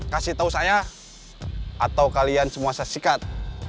kasih tahu saya atau kalian semua saya sikat